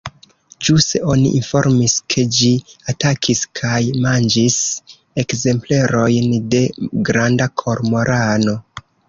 Ĵuse oni informis, ke ĝi atakis kaj manĝis ekzemplerojn de granda kormorano.